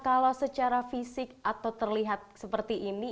kalau secara fisik atau terlihat seperti ini